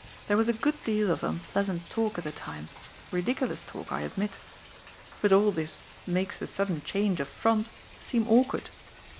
There was a good deal of unpleasant talk at the time, ridiculous talk, I admit. But all this makes the sudden change of front seem awkward.